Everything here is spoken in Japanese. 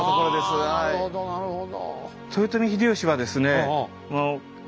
ああなるほどなるほど。